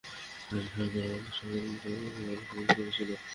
তাদের সরকার আমাদের সকল দাবিদাওয়া পূরণ করেছিল।